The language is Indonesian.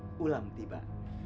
ucuk dicinta ulang tiba